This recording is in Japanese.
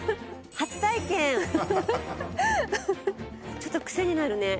ちょっとクセになるね。